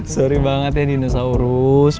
sorry banget ya dinosaurus